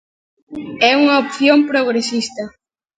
É unha opción progresista.